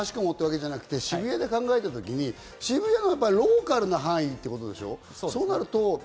どこもかしこもっていう訳ではなくて渋谷で考えたときに渋谷のローカルな範囲ってことでしょ？